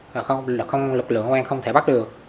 lực lượng công an không thể bắt được